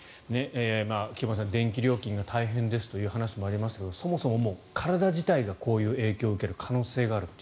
菊間さん、電気料金が大変ですという話がありましたがそもそも体自体がこういう影響を受ける可能性があると。